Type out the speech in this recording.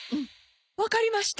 わかりました。